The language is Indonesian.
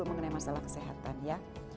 mengenai masalah kesehatan ya